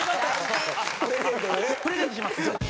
プレゼントします。